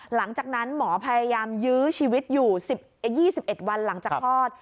หลังจากนั้นหมอพยายามยื้อชีวิตอยู่๒๑วันหลังจากคลอด